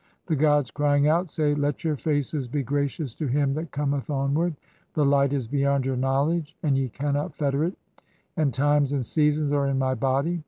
The "gods crying out say: 'Let your faces be gracious to him that "cometh onward'. The light (15) is beyond your knowledge, and "ye cannot fetter it ; and times and seasons are in my body.